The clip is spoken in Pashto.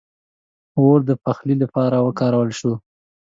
• اور د پخلي لپاره وکارول شو.